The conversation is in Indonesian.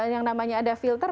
yang namanya ada filter